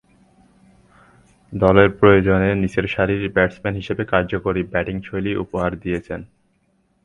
দলের প্রয়োজনে নিচেরসারির ব্যাটসম্যান হিসেবে কার্যকরী ব্যাটিংশৈলী উপহার দিয়েছেন।